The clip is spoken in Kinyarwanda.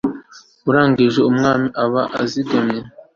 uragije umwana aba azigamye